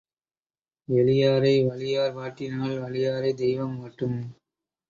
எளியாரை வலியார் வாட்டினால் வலியாரைத் தெய்வம் வாட்டும்.